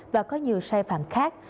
và có nhiều sai phạm khác